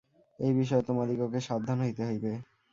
এই বিষয়ে তোমাদিগকে সাবধান হইতে হইবে।